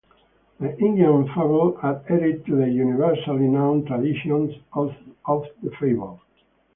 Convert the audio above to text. The Indian fable adhered to the universally known traditions of the fable.